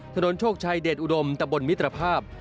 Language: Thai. โชคชัยเดชอุดมตะบนมิตรภาพ